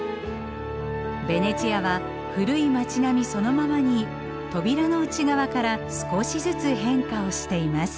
ベネチアは古い町並みそのままに扉の内側から少しずつ変化をしています。